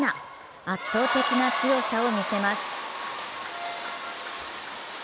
圧倒的な強さを見せます。